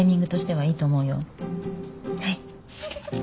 はい。